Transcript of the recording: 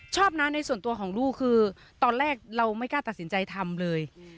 ชอบนะในส่วนตัวของลูกคือตอนแรกเราไม่กล้าตัดสินใจทำเลย